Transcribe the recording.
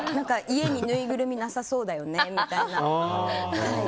家にぬいぐるみなさそうだよねみたいな。